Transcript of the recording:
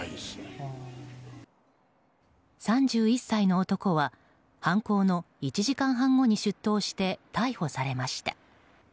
３１歳の男は犯行の１時間半後に出頭して逮捕されました。